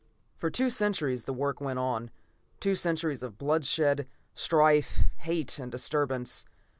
For two centuries the work went on. Two centuries of bloodshed, strife, hate and disturbance.